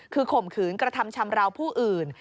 คือข่มขืนกระทำชำราวผู้อื่น